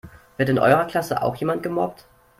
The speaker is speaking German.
Wird in eurer Klasse auch jemand gemobbt?